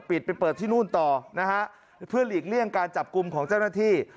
ไปเปิดที่นู่นต่อนะฮะเพื่อหลีกเลี่ยงการจับกลุ่มของเจ้าหน้าที่